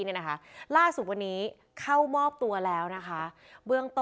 เนี่ยนะคะล่าสุดวันนี้เข้ามอบตัวแล้วนะคะเบื้องต้น